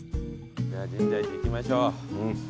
じゃあ深大寺行きましょう。